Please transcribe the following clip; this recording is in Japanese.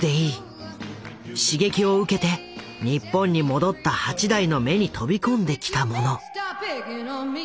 刺激を受けて日本に戻った八大の目に飛び込んできたもの。